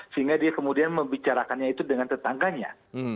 sehingga dia kemudian membicarakannya itu dengan tetangganya